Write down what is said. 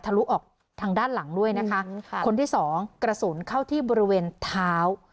ลุออกทางด้านหลังด้วยนะคะคนที่สองกระสุนเข้าที่บริเวณเท้า